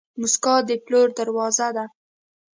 موسکا د پلور دروازه ده.